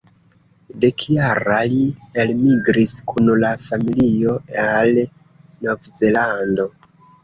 Dekjara, li elmigris kun la familio al Novzelando.